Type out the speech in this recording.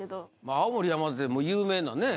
青森山田ってもう有名なね